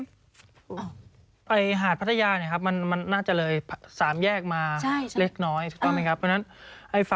มาไปหาดพัทยานี่ครับมันน่าจะเลย๓แยกมาเล็กน้อย